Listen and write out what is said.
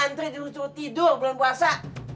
santri tidur tidur tidur belum puasa